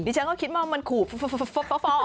ดิฉันก็คิดมาว่ามันขูบฟ้อ